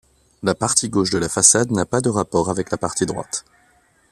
La partie gauche de la façade n'a pas de rapport avec la partie droite.